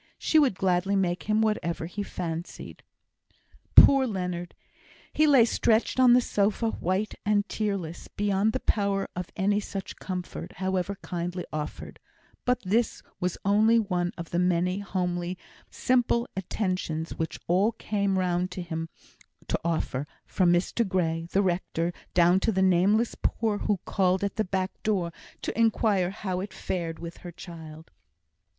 She would gladly make him whatever he fancied. Poor Leonard! he lay stretched on the sofa, white and tearless, beyond the power of any such comfort, however kindly offered; but this was only one of the many homely, simple attentions, which all came round him to offer, from Mr Grey, the rector, down to the nameless poor who called at the back door to inquire how it fared with her child.